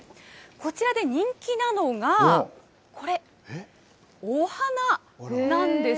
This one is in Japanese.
こちらで人気なのがこれ、お花なんです。